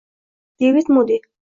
Devid Mudi